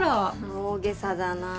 大げさだなぁ。